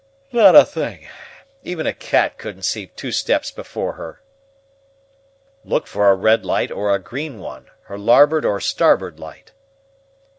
"Not a thing. Even a cat couldn't see two steps before her." "Look for a red light or a green one her larboard or starboard light."